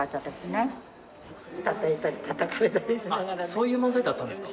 そういう漫才だったんですか？